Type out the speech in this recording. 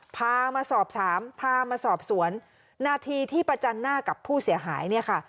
พามาสอบถามพามาสอบสวนนาทีที่ประจันหน้ากับผู้เสียหายเนี่ยค่ะ